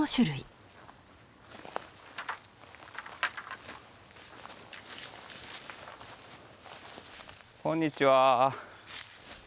あっこんにちは。